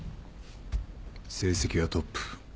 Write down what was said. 成績はトップ。